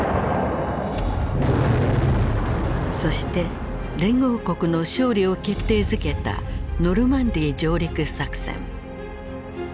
そして連合国の勝利を決定づけたノルマンディー上陸作戦。